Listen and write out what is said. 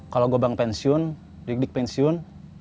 kalau gua bank pensiun dik dik pensiun